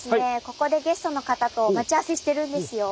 ここでゲストの方と待ち合わせしてるんですよ。